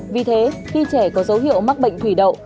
vì thế khi trẻ có dấu hiệu mắc bệnh thủy đậu